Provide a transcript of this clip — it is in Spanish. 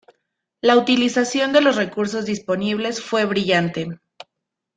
La utilización de los recursos disponibles fue brillante.